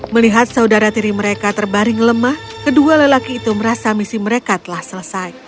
melihat saudara tiri mereka terbaring lemah kedua lelaki itu merasa misi mereka telah selesai